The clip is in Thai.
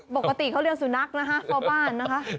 ปกติเขาเรียกสุนัขนะคะเข้าบ้านนะคะ